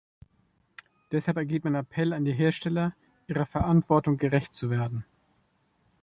Deshalb ergeht mein Appell an die Hersteller, ihrer Verantwortung gerecht zu werden.